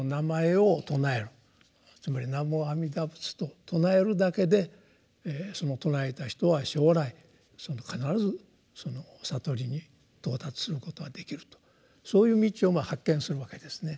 つまり「南無阿弥陀仏」と称えるだけでその称えた人は将来必ずその悟りに到達することができるとそういう道を発見するわけですね。